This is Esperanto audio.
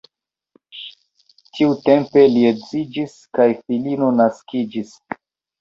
Tiutempe li edziĝis kaj filino naskiĝis.